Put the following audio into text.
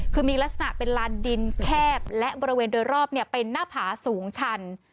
คือมีลักษณะเป็นลานดินแคบและบริเวณโดยรอบเป็นหน้าผาสูงชัน